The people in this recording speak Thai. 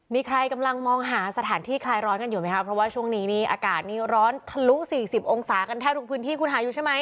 มีใครกำลังมองหาสถานที่คลายร้อนกันอยู่ไหมครับเพราะว่าช่วงนี้นี่อากาศนี้ร้อนทะลุ๔๐องศากันแทบทุกพื้นที่คุณหาอยู่ใช่ไหม